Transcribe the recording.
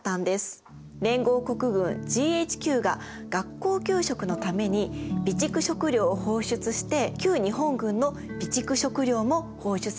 連合国軍・ＧＨＱが学校給食のために備蓄食料を放出して旧日本軍の備蓄食料も放出させました。